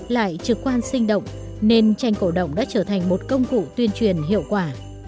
lại trực quan sinh động nên tranh cổ động đã trở thành một công cụ tuyên truyền hiệu quả